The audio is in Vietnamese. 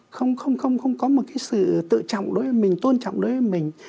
không có một cái sự tự trọng đối với mình tôn trọng đối với mình